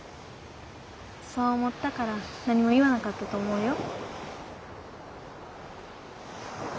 そう思ったから何も言わなかったと思うよ。